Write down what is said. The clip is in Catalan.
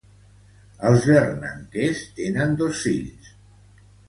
Els Bernankes tenen dos fills.